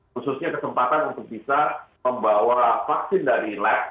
khususnya kesempatan untuk bisa membawa vaksin dari lab